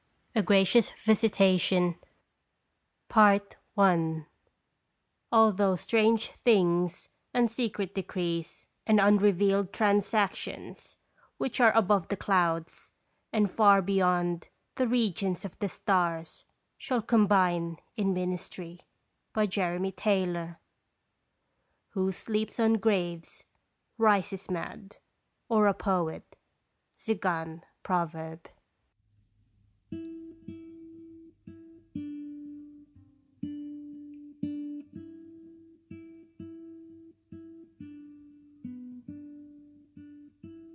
A GRACIOUS VISITATION. All those strange things and secret decrees and unrevealed trans actions, which are above the clouds and far beyond the regions of the stars, shall combine In ministry. Jeremy Taylor. Who sleeps on graves, rises mad, or a poet. Tzigane Proverb.